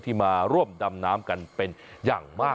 มาร่วมดำน้ำกันเป็นอย่างมาก